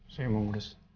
saya mau mulus